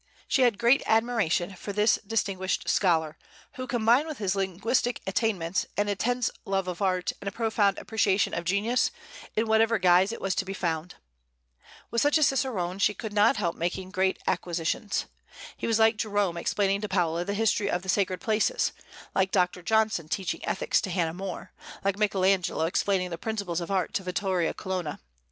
She had great admiration for this distinguished scholar, who combined with his linguistic attainments an intense love of art and a profound appreciation of genius, in whatever guise it was to be found. With such a cicerone she could not help making great acquisitions. He was like Jerome explaining to Paula the history of the sacred places; like Dr. Johnson teaching ethics to Hannah More; like Michael Angelo explaining the principles of art to Vittoria Colonna.